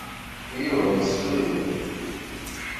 Yuba yessulli.